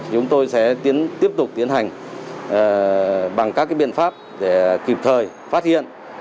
chúng tôi sẽ tiếp tục tiến hành bằng các biện pháp để kịp thời phát hiện